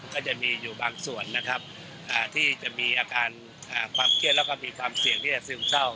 ก็จะมีอยู่บางส่วนนะครับที่จะมีอาการความเครียดแล้วก็มีความเสี่ยงที่จะซึมเศร้า